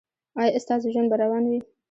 ایا ستاسو ژوند به روان وي؟